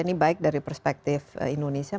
ini baik dari perspektif indonesia